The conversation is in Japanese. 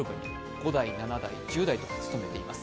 ５代、７代、１０代と務めています。